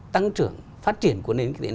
tăng trưởng phát triển của nền kinh tế